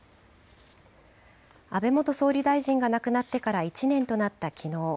安倍元総理大臣が亡くなってから１年となったきのう。